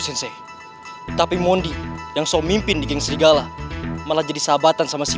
sensei tapi mondi yang so mimpin di geng serigala malah jadi sahabatan sama si